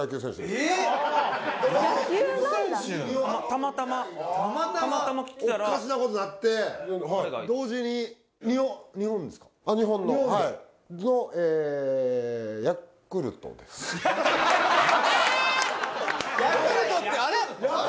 野球なんだたまたまたまたまおかしなことなって同時に日本のはいえですヤクルトってあれ？